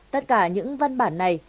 tất cả những văn bản này